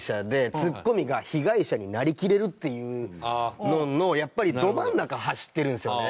ツッコミが被害者になりきれるっていうののやっぱりど真ん中走ってるんですよね。